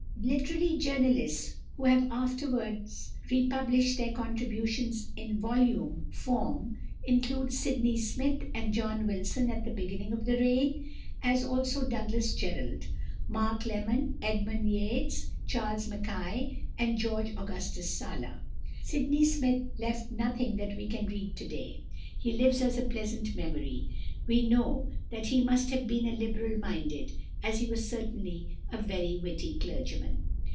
Literary journalists, who have afterwards republished their contributions in volume form include Sydney Smith and John Wilson at the beginning of the reign; as also Douglas Jerrold, Mark Lemon, Edmund Yates, Charles Mackay, and George Augustus Sala. =Sydney Smith (1771 1845)= left nothing that we can read to day. He lives as a pleasant memory. We know that he must have been a liberal minded, as he was certainly a very witty clergyman.